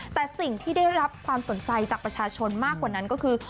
แต่สิ่งที่ได้รับความสนใจจากประชาชนมากกว่านั้นก็คือ